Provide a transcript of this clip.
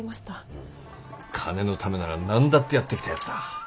うん金のためなら何だってやってきたやつだ。